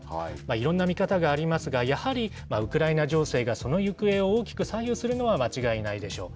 いろんな見方がありますが、やはりウクライナ情勢がその行方を大きく左右するのは間違いないでしょう。